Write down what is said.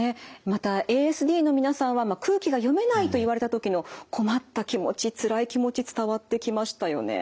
またＡＳＤの皆さんは空気が読めないと言われた時の困った気持ちつらい気持ち伝わってきましたよね。